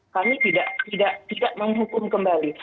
kami tidak menghukum kembali